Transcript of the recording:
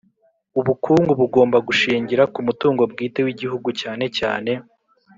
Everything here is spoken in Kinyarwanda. Ubukungu bugomba gushingira ku mutungo bwite w Igihugu cyane cyane